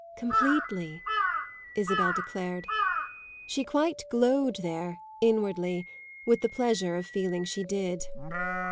"Completely," Isabel declared. She quite glowed there, inwardly, with the pleasure of feeling she did.